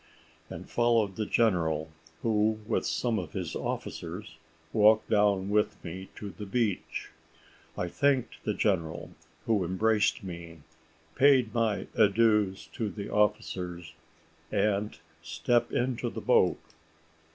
and followed the general, who, with some of his officers, walked down with me to the beach. I thanked the general, who embraced me, paid my adieus to the officers, and stepped into the boat.